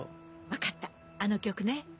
分かったあの曲ね。